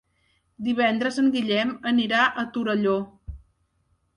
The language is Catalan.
Divendres en Guillem anirà a Torelló.